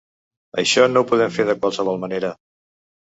Això no ho podem fer de qualsevol manera.